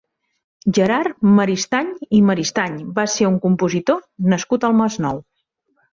Gerard Maristany i Maristany va ser un compositor nascut al Masnou.